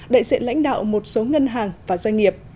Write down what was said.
đại diện lãnh đạo một số ngân hàng và doanh nghiệp